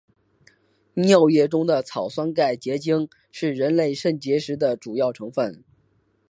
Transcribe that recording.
尿液中的草酸钙结晶是人类肾结石的主要成分。